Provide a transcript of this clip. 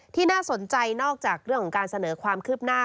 น่าสนใจนอกจากเรื่องของการเสนอความคืบหน้า